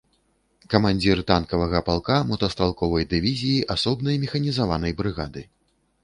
Камандзір танкавага палка, мотастралковай дывізіі, асобнай механізаванай брыгады.